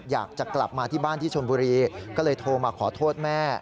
อยากจะกลับมาที่บ้านที่ชนบุรีก็เลยโทรมาขอโทษแม่